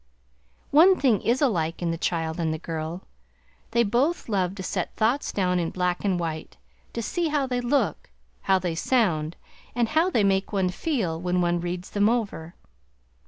One thing is alike in the child and the girl. They both love to set thoughts down in black and white; to see how they look, how they sound, and how they make one feel when one reads them over.